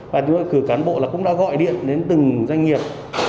và chúng tôi cử cán bộ là cũng đã gọi điện đến từng doanh nghiệp